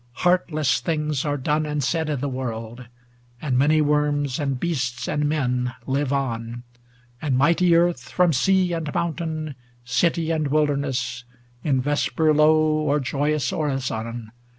Heartless things 690 Are done and said i' the world, and many worms And beasts and men live on, and mighty Earth From sea and mountain, city and wilder ness, In vesper low or joyous orison.